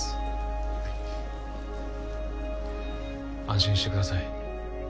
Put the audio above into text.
安心してください。